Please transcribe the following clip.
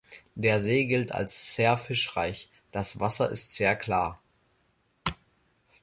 Der See gilt als sehr fischreich, das Wasser ist sehr klar.